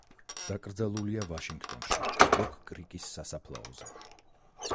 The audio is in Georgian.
დაკრძალულია ვაშინგტონში, როკ-კრიკის სასაფლაოზე.